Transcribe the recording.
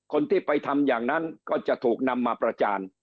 คนที่ไปทำอย่างนั้นก็จะถูกนำมาประจาน